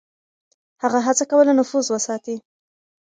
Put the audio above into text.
هغه هڅه کوله نفوذ وساتي.